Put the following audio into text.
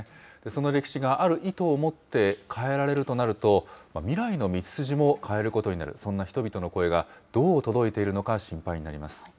その歴史が、ある意図を持って変えられるとなると、未来の道筋も変えることになる、そんな人々の声がどう届いているのか心配になります。